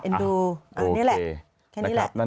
ดูนี่แหละแค่นี้แหละ